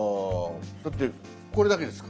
だってこれだけですから。